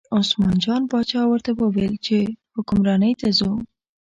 عثمان جان باچا ورته وویل چې حکمرانۍ ته ځو.